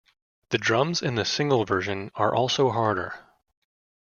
The drums in the single version are also harder.